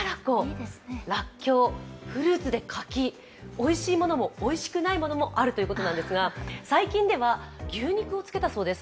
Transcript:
おいしいものも、おいしくないものもあるということなんですが最近では牛肉を漬けたそうです。